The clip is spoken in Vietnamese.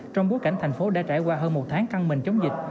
trong bối cảnh thành phố đã trải qua hơn một tháng căng mình chống dịch